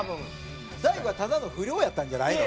大悟はただの不良やったんじゃないの？